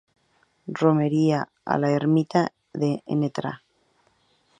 Romería a la ermita de Ntra.